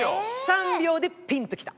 ３秒でピンときた。